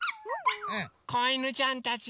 こいぬちゃんたちが。